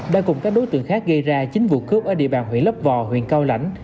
đã cùng các đối tượng khác gây ra chín vụ cướp ở địa bàn huyện lấp vò huyện cao lãnh